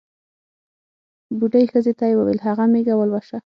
بوډۍ ښځې ته یې ووېل هغه مېږه ولوسه.